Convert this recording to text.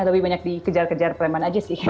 lebih banyak dikejar kejar preman aja sih